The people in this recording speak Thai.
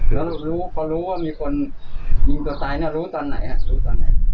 แล้วพอรู้ว่ามีคนยิงตัวตายน่ะรู้ตอนไหนครับ